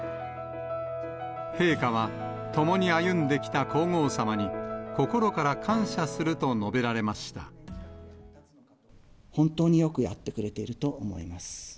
陛下は、共に歩んできた皇后さまに、本当によくやってくれていると思います。